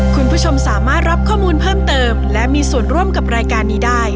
คุณผู้ชมสามารถรับข้อมูลเพิ่มเติมและมีส่วนร่วมกับรายการนี้ได้